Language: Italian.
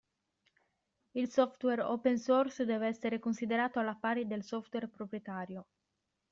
Il software open source deve essere considerato alla pari del software proprietario.